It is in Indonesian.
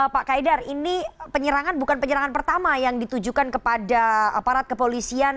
pak kaidar ini penyerangan bukan penyerangan pertama yang ditujukan kepada aparat kepolisian